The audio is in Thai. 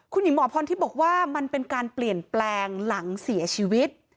คุณหญิงหมอพรทิพย์บอกว่ามันเป็นการเปลี่ยนแปลงหลังเสียชีวิต